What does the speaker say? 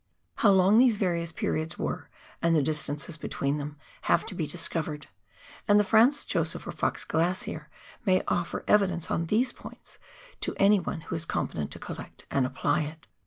How long these various periods were, and the distances between them, have to be discovered, and the Franz Josef or Fox Glacier may offer evidence on these points to any one who is competent to collect and apply it.